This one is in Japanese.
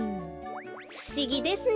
ふしぎですね。